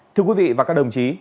thưa quý vị và các đồng chí